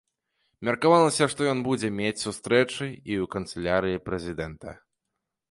Меркавалася, што ён будзе мець сустрэчы і ў канцылярыі прэзідэнта.